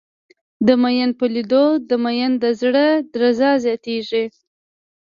د ميئن په لېدو د ميئن د زړه درزه زياتېږي.